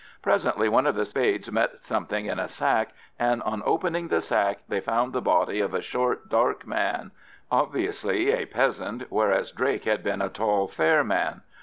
Presently one of the spades met something in a sack, and on opening the sack they found the body of a short dark man—obviously a peasant—whereas Drake had been a tall fair man.